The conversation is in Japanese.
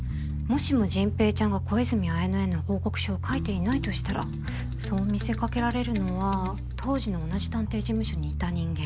もしも迅平ちゃんが小泉文乃への報告書を書いていないとしたらそう見せかけられるのは当時の同じ探偵事務所にいた人間。